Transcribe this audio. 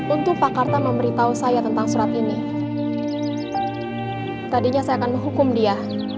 untuk pak karta memberitahu saya tentang surat ini tadinya saya akan menghukum dia